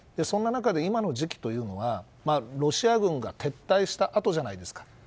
そんな中で今の時期というのはロシア軍が撤退したあとじゃないですか。